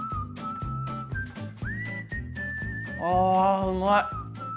あうまい！